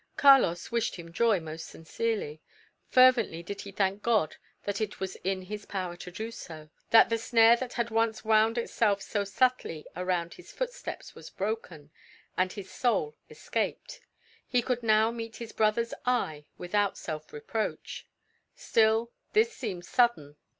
Carlos "wished him joy" most sincerely. Fervently did he thank God that it was in his power to do it; that the snare that had once wound itself so subtly around his footsteps was broken, and his soul escaped. He could now meet his brother's eye without self reproach. Still, this seemed sudden.